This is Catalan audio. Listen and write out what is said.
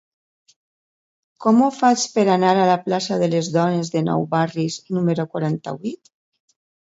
Com ho faig per anar a la plaça de Les Dones de Nou Barris número quaranta-vuit?